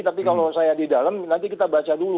tapi kalau saya di dalam nanti kita baca dulu